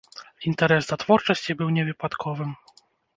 Інтарэс да творчасці быў не выпадковым.